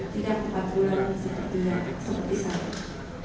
tidak kepatuhan seperti yang saya